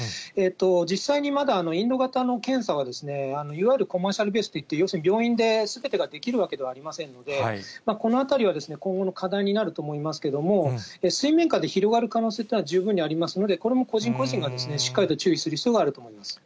実際にまだインド型の検査は、いわゆるコマーシャルベースといって、要するに病院ですべてができるわけではありませんので、このあたりは今後の課題になると思いますけれども、水面下で広がる可能性というのは十分にありますので、これも個人個人がしっかりと注意する必要があると思います。